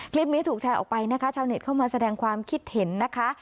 คลิปนี้ถูกแชร์ออกไปนะคะชาวเน็ตเข้ามาแสดงความคิดเห็นนะคะ